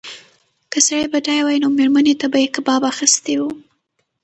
که سړی بډایه وای نو مېرمنې ته به یې کباب اخیستی و.